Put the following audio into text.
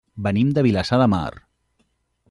Venim de Vilassar de Mar.